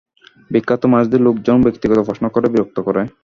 বিখ্যাত মানুষদের লোকজন ব্যক্তিগত প্রশ্ন করে বিরক্ত করে।